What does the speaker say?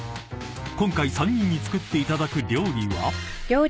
今回３人に作っていただく料理は］